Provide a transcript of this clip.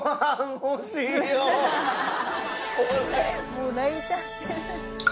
もう泣いちゃってる。